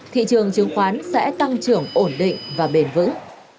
thị trường chứng khoán sẽ tăng trưởng ổn định và bền vững